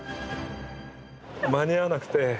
間に合わなくて。